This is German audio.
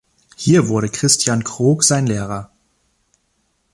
Hier wurde Christian Krohg sein Lehrer.